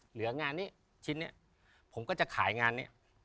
เหลืองานนี้ชิ้นนี้ผมก็จะขายงานนี้